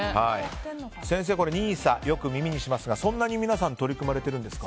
先生、ＮＩＳＡはよく耳にしますがそんなに皆さん取り組まれているんですか？